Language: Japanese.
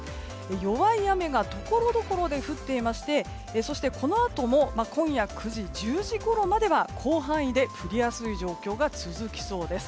弱い雨がところどころで降っていましてそして、このあとも今夜９時、１０時ごろまでは広範囲で降りやすい状況が続きそうです。